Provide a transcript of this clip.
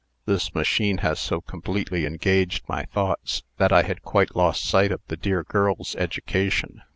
This machine has so completely engaged my thoughts, that I had quite lost sight of the dear girl's education.